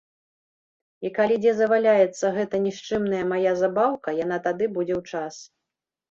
І калі дзе заваляецца гэта нішчымная мая забаўка, яна тады будзе ў час.